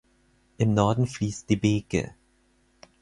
Im Norden fließt die Beeke.